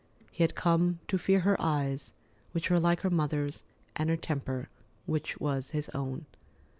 He had come to fear her eyes, which were like her mother's, and her temper, which was his own.